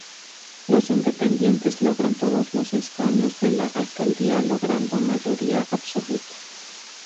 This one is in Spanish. Los independientes logran todos los escaños de la alcaldía, logrando mayoría absoluta.